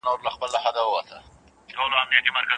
د افغانستان د پرمختګ لپاره د ښځو زدهکړه د ملي یووالي کيلي ده